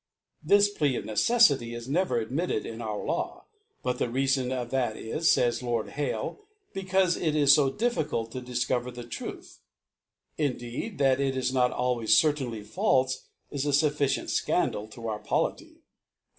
This Plea of Neceffity ^ never admitted in ogr Law j but the Reafon . of th^t is, fays L^rd Hak^ j^ecaufe it is ta difficult to difcover the Truth, Indeed that it is r^ot always certainly falfc, is ^ fuffi* cient Scandal to our P9li^y s fqr